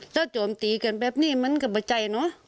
ถ้าโจมตีกันแบบนี้มันก็ประใจเนอะ